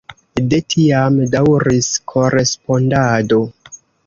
De tiam daŭris korespondado.